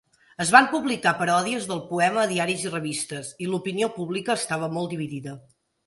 Es van publicar paròdies del poema a diaris i revistes, i l'opinió pública estava molt dividida.